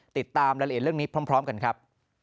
ติดตามรายละเอียดเรื่องนี้พร้อมกันครับ